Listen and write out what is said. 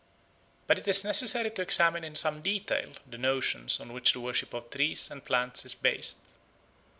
But it is necessary to examine in some detail the notions on which the worship of trees and plants is based.